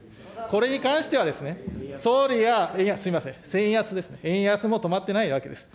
これに関しては、総理は、いや、すみません、円安ですね、円安も止まってないわけです。